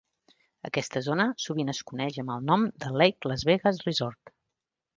Aquesta zona sovint es coeix amb el nom de "Lake Las Vegas Resort".